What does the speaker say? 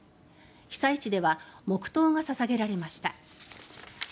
被災地では黙祷が捧げられました。